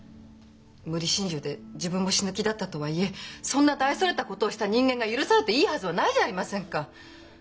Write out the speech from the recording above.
無理心中で自分も死ぬ気だったとはいえそんな大それたことをした人間が許されていいはずはないじゃありませんか！